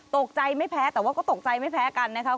ตกใจไม่แพ้แต่ว่าก็ตกใจไม่แพ้กันนะครับ